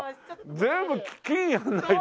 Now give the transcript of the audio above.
全部金やらないと。